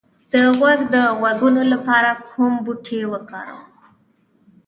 د غوږ د غږونو لپاره کوم بوټی وکاروم؟